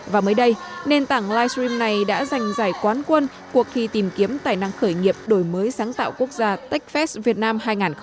và mới đây nền tảng livestream này đã giành giải quán quân cuộc thi tìm kiếm tài năng khởi nghiệp đổi mới sáng tạo quốc gia techfest việt nam hai nghìn hai mươi